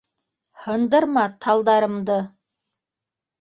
Һындырма талдарымды